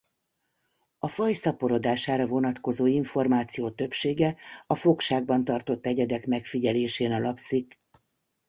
A faj szaporodására vonatkozó információ többsége a fogságban tartott egyedek megfigyelésén alapszik.